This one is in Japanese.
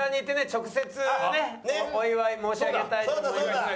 直接ねお祝い申し上げたいと思います。